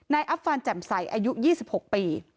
อัฟฟานแจ่มใสอายุ๒๖ปี